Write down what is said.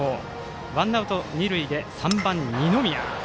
ワンアウト、二塁で３番、二宮。